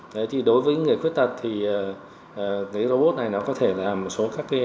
đấy thì đối với những người khuyết tật thì cái robot này nó có thể là một số các cái thao dựng